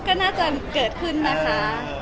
ก็น่าจะเกิดขึ้นนะคะ